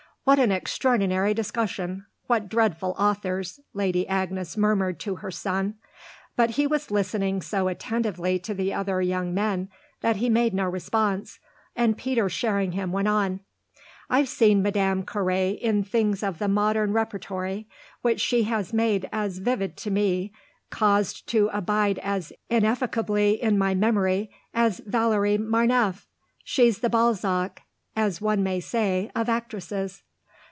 "What an extraordinary discussion! What dreadful authors!" Lady Agnes murmured to her son. But he was listening so attentively to the other young men that he made no response, and Peter Sherringham went on: "I've seen Madame Carré in things of the modern repertory, which she has made as vivid to me, caused to abide as ineffaceably in my memory, as Valérie Marneffe. She's the Balzac, as one may say, of actresses."